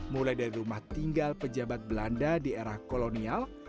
mulai dari rumah tinggal pejabat belanda di era kolonial